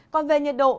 còn về nhiệt độ